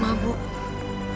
mas masih terlalu mabuk